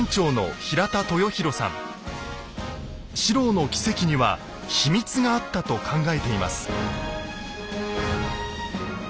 四郎の奇跡には秘密があったと考えています。